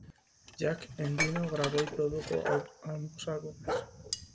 Jack Endino grabó y produjo ambos álbumes.